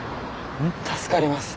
助かります。